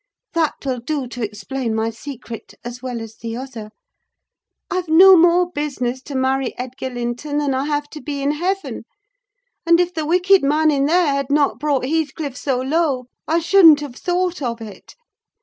That will do to explain my secret, as well as the other. I've no more business to marry Edgar Linton than I have to be in heaven; and if the wicked man in there had not brought Heathcliff so low, I shouldn't have thought of it.